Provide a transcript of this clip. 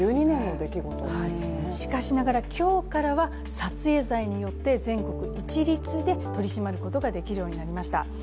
しかしながら今日からは撮影罪によって全国一律で取り締まることができるようになりました。